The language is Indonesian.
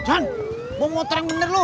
jangan mau moter yang bener lu